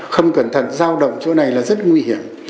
không cẩn thận giao động chỗ này là rất nguy hiểm